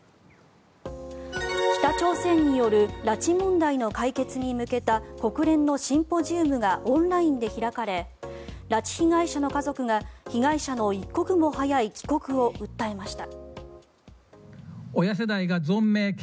北朝鮮による拉致問題の解決に向けた国連のシンポジウムがオンラインで開かれ拉致被害者の家族が被害者の一刻も早い帰国を訴えました。